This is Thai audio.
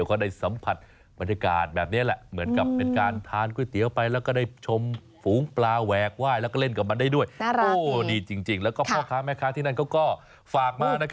โอ้ขอเนื้อหมูหน่อยหมูนุ่ม